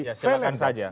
ya silahkan saja